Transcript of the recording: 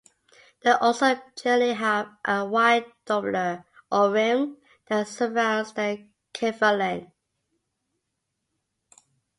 They also generally have a wide doublure, or rim, that surrounds the cephalon.